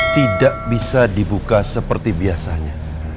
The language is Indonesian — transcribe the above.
tidak bisa dibuka seperti biasanya